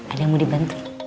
ada yang mau dibantu